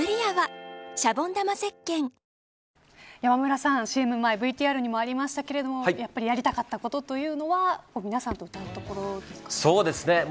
山村さん、ＣＭ前ＶＴＲにもありましたけどやりたかったということというのは皆さんと歌うところですか。